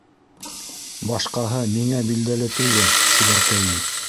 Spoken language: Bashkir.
Башҡаһы миңә билдәле түгел, сибәркәйем.